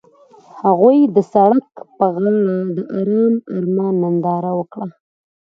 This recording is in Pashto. هغوی د سړک پر غاړه د آرام آرمان ننداره وکړه.